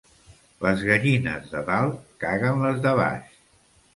Les gallines de dalt caguen les de baix.